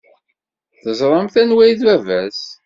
Teẓramt anwa i d baba-s?